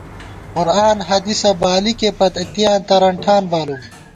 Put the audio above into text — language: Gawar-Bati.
قرآن حدیث بالِکےپت ، اتېیاں ترَن ٹھان بالُوم